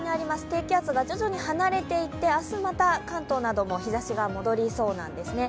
低気圧が徐々に離れていって明日また関東なども日ざしが戻りそうなんですね。